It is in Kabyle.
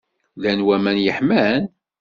Llan waman yeḥman?